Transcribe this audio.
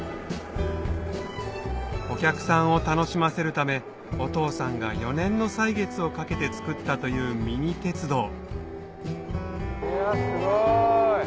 お客さんを楽しませるためお父さんが４年の歳月をかけて作ったというミニ鉄道いやすごい。